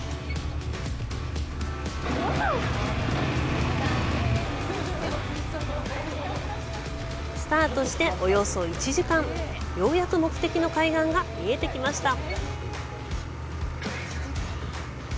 ワーォ！！スタートして、およそ１時間ようやく目的の海岸が見えてきました。